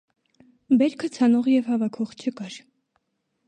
Բերքը ցանող և հավաքող չկար։